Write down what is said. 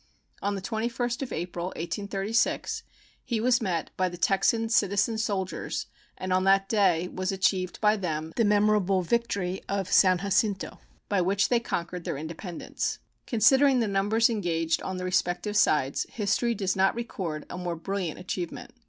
On the 21st of April, 1836, he was met by the Texan citizen soldiers, and on that day was achieved by them the memorable victory of San Jacinto, by which they conquered their independence. Considering the numbers engaged on the respective sides, history does not record a more brilliant achievement.